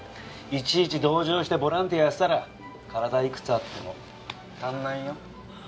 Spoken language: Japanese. いちいち同情してボランティアやってたら体いくつあっても足んないよ。